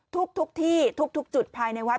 ทุกที่ทุกจุดภายในวัด